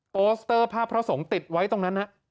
โสเตอร์ภาพพระสงฆ์ติดไว้ตรงนั้น